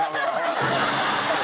ハハハハハ！